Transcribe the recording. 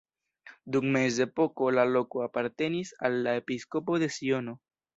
Dum mezepoko la loko apartenis al la episkopo de Siono.